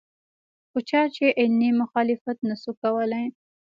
خو چا علني مخالفت نشو کولې